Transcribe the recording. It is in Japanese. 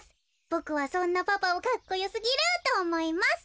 ボクはそんなパパをかっこよすぎるとおもいます」。